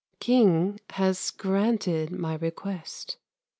King has granted my request.